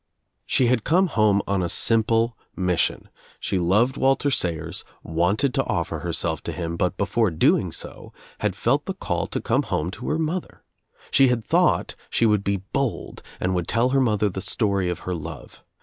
She had come home on a simple mis sion, She loved Walter Sayers, wanted to offer her self to him but before doing so had felt the call to come home to her mother. She had thought she would be bold and would tell her mother the story of her love.